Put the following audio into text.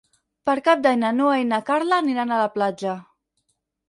Per Cap d'Any na Noa i na Carla aniran a la platja.